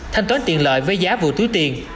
thanh toán tiền lợi với giá vừa túi tiền